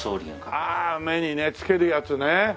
ああ目にね着けるやつね。